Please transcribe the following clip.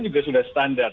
ini juga sudah standar